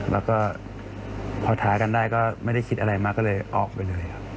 แล้วก็พอท้ากันได้ก็ไม่ได้คิดอะไรมากก็เลยออกไปเลยครับ